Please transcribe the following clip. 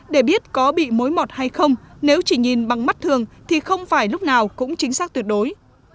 để biết có bị mối mọt hay không nếu chỉ nhìn bằng mắt thường thì không phải lúc nào cũng chính xác tuyệt đối